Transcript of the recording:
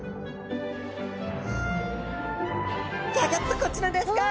ギョギョッとこちらですか！